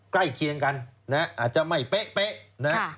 ใกล้เคียงกันนะอาจจะไม่เป๊ะนะ